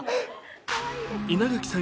稲垣さん